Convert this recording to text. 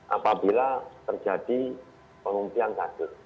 apabila terjadi pengungsian gagal